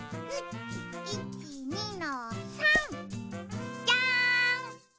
１２の３。じゃん。